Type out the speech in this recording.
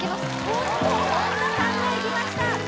おっと本田さんがいきました